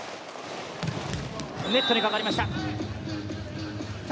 ネットにかかりました。